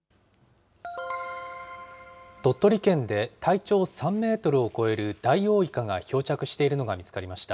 鳥取県で体長３メートルを超えるダイオウイカが漂着しているのが見つかりました。